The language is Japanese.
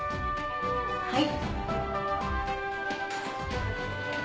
はい。